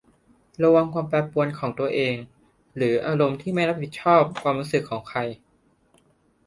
ระวังความแปรปรวนของตัวเองหรืออารมณ์ที่ไม่รับผิดชอบความรู้สึกของใคร